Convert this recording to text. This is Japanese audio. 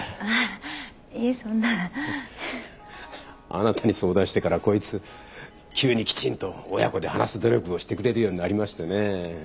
あなたに相談してからこいつ急にきちんと親子で話す努力をしてくれるようになりましてね。